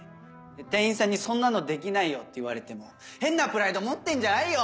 店員さんに「そんなのできないよ」って言われても「変なプライド持ってんじゃないよ！」。